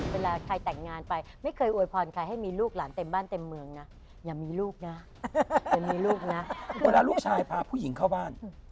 เวลาใครแต่งงานไปไม่เคยอวยพรใครให้มีลูกหลานเต็มบ้านเต็มเมืองนะอย่ามีลูกนะอย่ามีลูกนะเวลาลูกชายพาผู้หญิงเข้าบ้าน